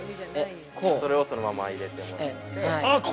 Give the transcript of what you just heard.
◆それをそのまま入れてもらって。